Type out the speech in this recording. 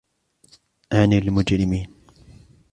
عن المجرمين